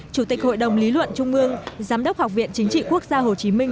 chủ tịch hội đồng lý luận trung ương giám đốc học viện chính trị quốc gia hồ chí minh